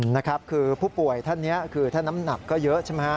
นะครับคือผู้ป่วยท่านนี้คือถ้าน้ำหนักก็เยอะใช่ไหมฮะ